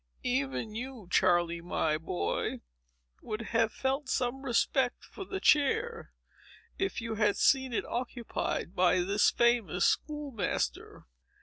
Even you, Charley, my boy, would have felt some respect for the chair, if you had seen it occupied by this famous school master."